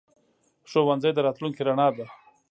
ښوونځی د راتلونکي رڼا ده.